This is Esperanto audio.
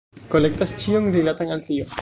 Kolektas ĉion rilatan al tio.